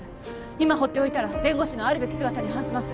今ほっておいたら弁護士のあるべき姿に反します